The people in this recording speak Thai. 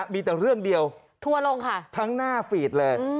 มีแต่เรื่องเดียวทัวร์ลงค่ะทั้งหน้าฟีดเลย